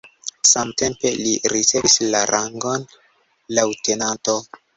Samtempe li ricevis la rangon leŭtenanto.